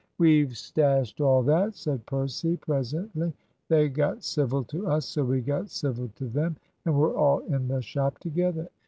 "We've stashed all that," said Percy, presently; "they got civil to us, so we got civil to them, and we're all in the shop together.